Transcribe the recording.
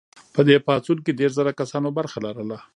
په دې پاڅون کې دیرش زره کسانو برخه لرله.